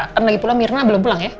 kan lagi pulang mirna belum pulang ya